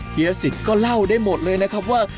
เฮียสิทธิ์ก็เล่าได้หมดเลยนะครับว่า